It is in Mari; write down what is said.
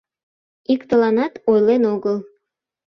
Иктыланат ойлен огыл.